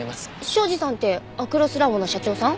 庄司さんってアクロスラボの社長さん？